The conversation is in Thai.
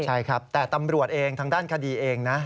ใช่ครับแต่ตำรวจเองทางด้านคดีเองนะ